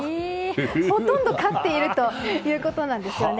ほとんど勝っているということなんですね。